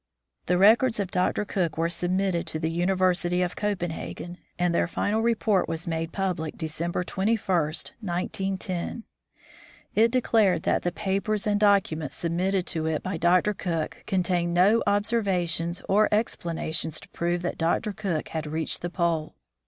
The records of Dr. Cook were submitted to the Uni versity of Copenhagen, and their final report was made public December 21, 19 10. It declared that the papers THE DISCOVERY OF THE NORTH POLE 169 and documents submitted to it by Dr. Cook contained no observations or explanations to prove that Dr. Cook had reached the Pole.